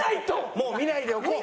もう見ないでおこう。